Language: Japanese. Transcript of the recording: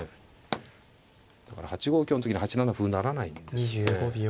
だから８五香の時に８七歩成らないんですね。